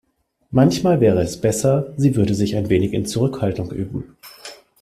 Manchmal wäre es besser, sie würde sich ein wenig in Zurückhaltung üben.